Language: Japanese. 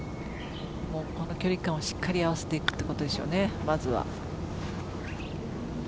この距離感をしっかり合わせていくということでしょうね。